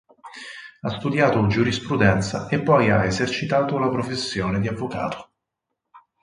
Ha studiato giurisprudenza e poi ha esercitato la professione di avvocato.